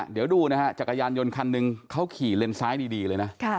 เดี๋ยวดูนะฮะจักรยานยนต์คันหนึ่งเขาขี่เลนซ้ายดีเลยนะ